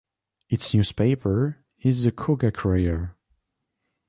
Its newspaper is the Cougar Crier.